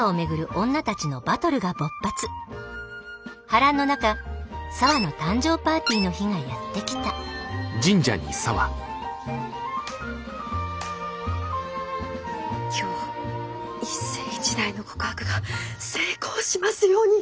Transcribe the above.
波乱の中沙和の誕生パーティーの日がやって来た今日一世一代の告白が成功しますように。